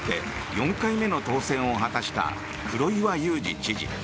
４回目の当選を果たした黒岩祐治知事。